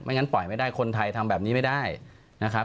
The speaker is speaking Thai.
งั้นปล่อยไม่ได้คนไทยทำแบบนี้ไม่ได้นะครับ